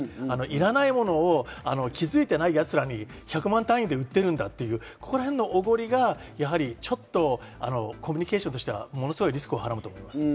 いらないものを気づいていない奴らに１００万単位で売っているんだというおごりがちょっとコミュニケーションとしてはリスクをはらむと思います。